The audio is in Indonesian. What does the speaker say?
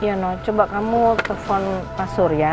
ya no coba kamu telpon pak surya